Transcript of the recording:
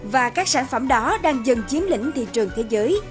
và các sản phẩm đó đang dần chiếm lĩnh thị trường thế giới